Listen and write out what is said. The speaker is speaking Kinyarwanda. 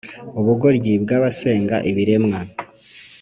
Ubugoryi bw’abasenga ibiremwa